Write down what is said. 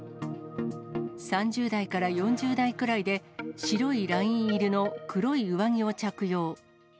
３０代から４０代くらいで、白いライン入りの黒い上着を着用。